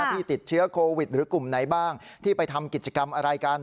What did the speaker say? ที่ติดเชื้อโควิดหรือกลุ่มไหนบ้างที่ไปทำกิจกรรมอะไรกัน